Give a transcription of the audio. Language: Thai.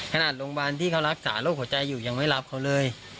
ขนาดบ้านที่เขารักษาโรคใจอยู่ยังไม่รับเขาเลย